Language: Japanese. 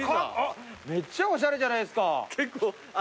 めっちゃおしゃれじゃないですか！